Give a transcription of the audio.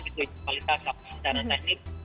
itu kualitas secara teknik